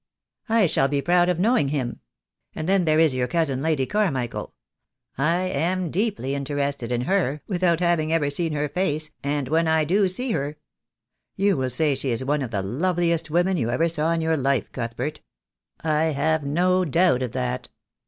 "I shall be proud of knowing him. And then there is your cousin, Lady Carmichael. I am deeply interested in her, without having ever seen her face, and when I do see her " "You will say she is one of the loveliest women you ever saw in your life, Cuthbert. I have no doubt of that.